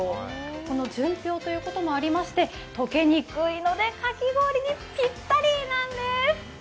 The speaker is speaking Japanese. この純氷ということもありまして溶けにくいのでかき氷にぴったりなんです。